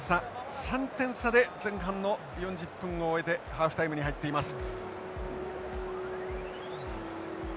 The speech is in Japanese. ３点差で前半の４０分を終えてハーフタイムに入っています。